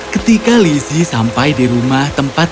ketika lizzie sampai di rumah tempat